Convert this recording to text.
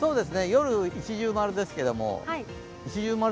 夜、一重丸ですけれども丸？